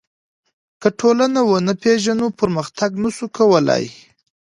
که ټولنه ونه پېژنو پرمختګ نسو کولای.